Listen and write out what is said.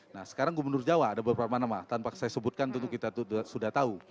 nah sekarang gubernur jawa ada beberapa nama tanpa saya sebutkan tentu kita sudah tahu